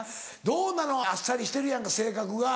どうなの？あっさりしてるやんか性格が。